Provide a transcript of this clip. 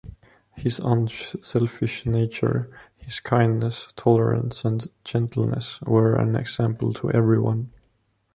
His unselfish nature, his kindness, tolerance and gentleness were an example to everyone.